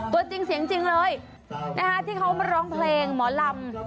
ตัวจริงเสียงจริงเลยนะคะที่เขามาร้องเพลงหมอลำ